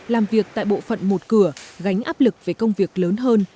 làm việc tại bộ phận một cửa gánh áp lực về công việc lớn hơn